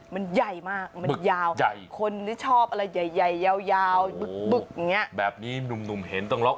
มันใหญ่มากมันยาวคนที่ชอบอะไรใหญ่ยาวแบบนี้หนุ่มเห็นตรงแล้ว